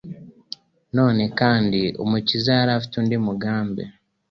Na none kandi, Umukiza yari afite undi mugambi.